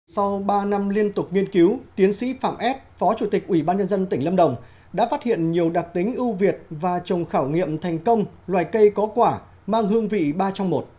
sau ba năm liên tục nghiên cứu tiến sĩ phạm ép phó chủ tịch ủy ban nhân dân tỉnh lâm đồng đã phát hiện nhiều đặc tính ưu việt và trồng khảo nghiệm thành công loài cây có quả mang hương vị ba trong một